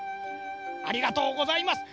ありがとうございます。